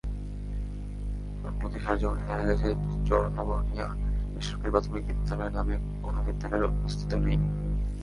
সম্প্রতি সরেজমিনে দেখা গেছে, চরলোহনিয়া বেসরকারি প্রাথমিক বিদ্যালয় নামে কোনো বিদ্যালয়ের অস্তিত্ব নেই।